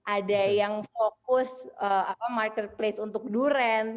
ada yang fokus marketplace untuk durian